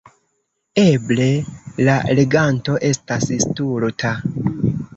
Eble, la leganto estas stulta.